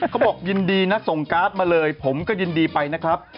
เขาบอกยินดีนะส่งการ์ดมาเลยผมก็ยินดีไปนะครับ